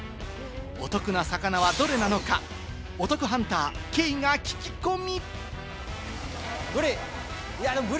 お得な魚はどれなのか、お得ハンター・兄が聞き込み！